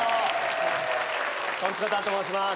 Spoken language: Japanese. トンツカタンと申します。